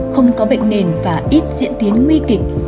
không có bệnh nền và ít diễn tiến nguy kịch